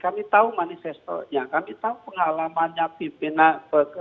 kami tahu manifestornya kami tahu pengalamannya pimpinan